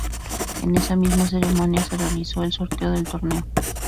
En esa misma ceremonia, se realizó el sorteo del torneo.